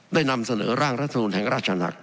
นำเสนอร่างรัฐมนูลแห่งราชหลัก